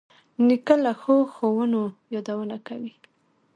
نیکه له ښو ښوونو یادونه کوي.